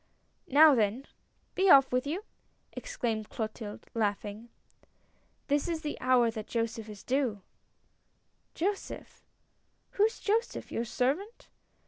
"Now then, be off with you!" exclaimed Clotilde, laughing. " This is the hour that Joseph is due "" Joseph ? Who is Joseph ? Your servant